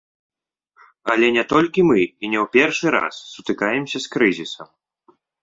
Але не толькі мы і не ў першы раз сутыкаемся з крызісам.